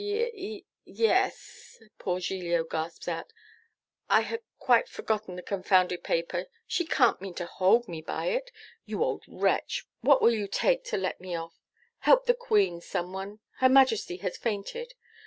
'Y y y es,' poor Giglio gasps out, 'I had quite forgotten the confounded paper: she can't mean to hold me by it. You old wretch, what will you take to let me off? Help the Queen, some one Her Majesty has fainted.